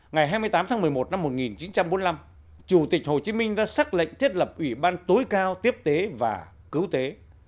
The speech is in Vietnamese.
ngày hai mươi tám tháng một mươi một năm một nghìn chín trăm bốn mươi năm chủ tịch hồ chí minh đã xác lệnh thiết lập ủy ban tối cao tiếp tế và cứu tế